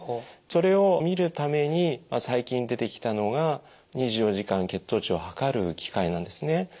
それを見るために最近出てきたのが２４時間血糖値を測る機械なんですね。